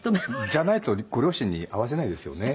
じゃないとご両親に会わせないですよね。